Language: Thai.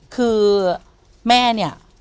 คือแม่เนี่ย